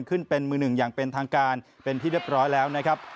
ขึ้นเป็นมือหนึ่งอย่างเป็นทางการเป็นที่เรียบร้อยแล้วนะครับ